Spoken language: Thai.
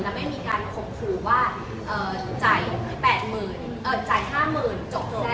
และไม่มีการคบคุวว่าจ่าย๕๐๐๐๐จบแสดก